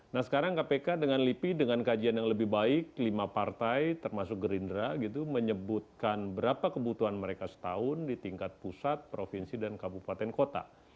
nah sekarang kpk dengan lipi dengan kajian yang lebih baik lima partai termasuk gerindra gitu menyebutkan berapa kebutuhan mereka setahun di tingkat pusat provinsi dan kabupaten kota